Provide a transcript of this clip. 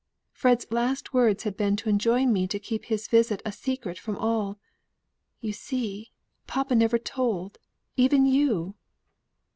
Fred's last words had been to enjoin me to keep his visit a secret from all. You see, papa never told, even you.